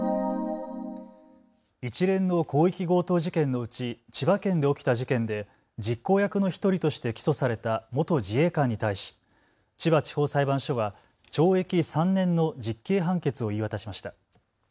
一連の広域強盗事件のうち千葉県で起きた事件で実行役の１人として起訴された元自衛官に対し千葉地方裁判所は懲役３年の実刑判決を言い渡しました。